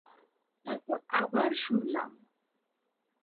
তারপর আবার শুনলাম।